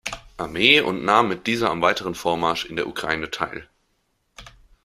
Armee und nahm mit dieser am weiteren Vormarsch in der Ukraine teil.